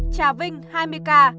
trà vinh hai mươi ca